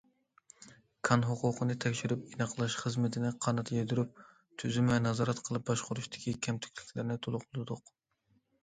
كان ھوقۇقىنى تەكشۈرۈپ ئېنىقلاش خىزمىتىنى قانات يايدۇرۇپ، تۈزۈم ۋە نازارەت قىلىپ باشقۇرۇشتىكى كەمتۈكلۈكلەرنى تولۇقلىدۇق.